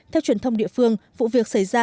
theo truyền thông địa phương vụ việc xảy ra